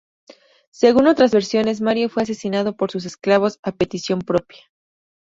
Según otras versiones, Mario fue asesinado por sus esclavos, a petición propia.